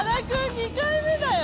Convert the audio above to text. ２回目だよ。